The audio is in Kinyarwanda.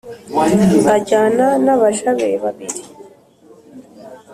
ajyana n’abaja be babiri.